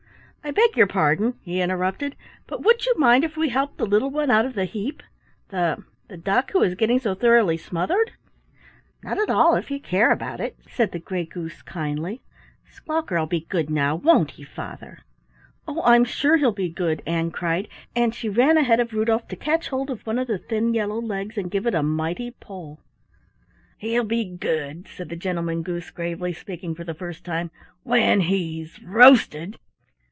"I beg your pardon," he interrupted, "but would you mind if we helped the little one out of the heap, the the duck who is getting so thoroughly smothered?" "Not at all, if you care about it," said the Gray Goose kindly. "Squawker'll be good now, won't he, Father?" "Oh, I'm sure he'll be good," Ann cried, and she ran ahead of Rudolf to catch hold of one of the thin yellow legs and give it a mighty pull. "He'll be good," said the Gentleman Goose gravely, speaking for the first time, "when he's roasted.